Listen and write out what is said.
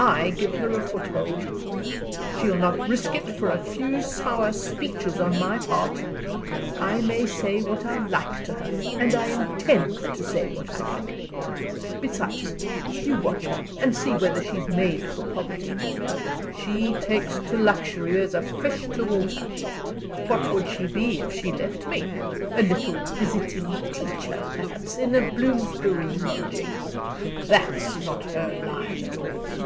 I give her a foothold. She'll not risk it for a few sour speeches on my part. I may say what I like to her and I intend to say what I like! Besides, you watch her, and see whether she's made for poverty. She takes to luxury as a fish to water. What would she be if she left me? A little visiting teacher, perhaps, in a Bloomsbury lodging. That's not her line at all."